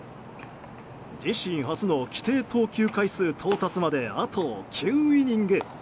自身初の規定投球回数到達まであと９イニング。